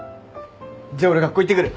じゃあ俺学校行ってくる。